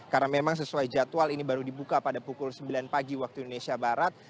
karena memang sesuai jadwal ini baru dibuka pada pukul sembilan pagi waktu indonesia barat